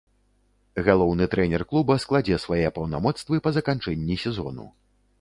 Галоўны трэнер клуба складзе свае паўнамоцтвы па заканчэнні сезону.